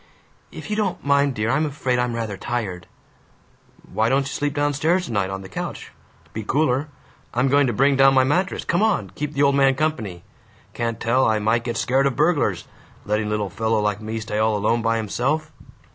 "If you don't mind, dear, I'm afraid I'm rather tired." "Why don't you sleep down stairs tonight, on the couch? Be cooler. I'm going to bring down my mattress. Come on! Keep the old man company. Can't tell I might get scared of burglars. Lettin' little fellow like me stay all alone by himself!"